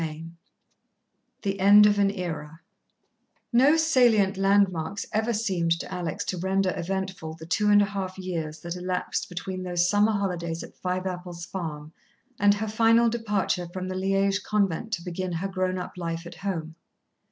VI The End of an Era No salient landmarks ever seemed to Alex to render eventful the two and a half years that elapsed between those summer holidays at Fiveapples Farm and her final departure from the Liège convent to begin her grown up life at home.